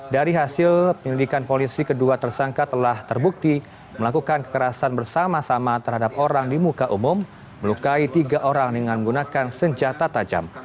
dari hasil penyelidikan polisi kedua tersangka telah terbukti melakukan kekerasan bersama sama terhadap orang di muka umum melukai tiga orang dengan menggunakan senjata tajam